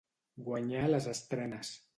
Guanyar les estrenes.